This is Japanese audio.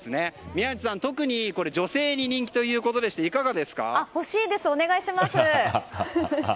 宮司さん特に女性に人気ということで欲しいです、お願いします。